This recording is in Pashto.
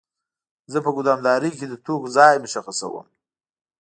زه په ګدامدارۍ کې د توکو ځای مشخصوم.